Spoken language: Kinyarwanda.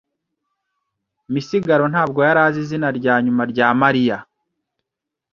Misigaro ntabwo yari azi izina rya nyuma rya Mariya.